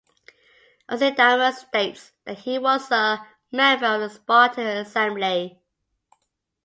Alcidamas states that he was a member of the Spartan assembly.